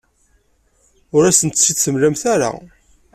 Ur asent-tt-id-temlam ara.